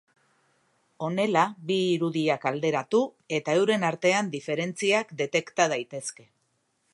Honela bi irudiak alderatu eta euren artean diferentziak detekta daitezke.